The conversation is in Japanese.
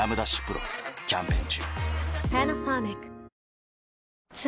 丕劭蓮キャンペーン中